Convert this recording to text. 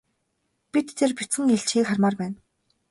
Бид тэр бяцхан илжгийг хармаар байна.